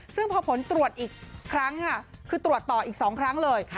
ซึ่งพอผลตรวจอีกครั้งค่ะคือตรวจต่ออีก๒ครั้งเลย